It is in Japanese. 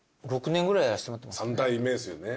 ３代目ですよね。